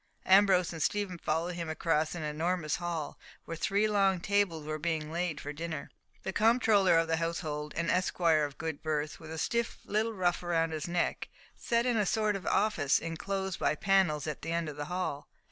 Ambrose and Stephen followed him across an enormous hall, where three long tables were being laid for dinner. The comptroller of the household, an esquire of good birth, with a stiff little ruff round his neck, sat in a sort of office inclosed by panels at the end of the hall.